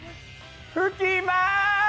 吹きます！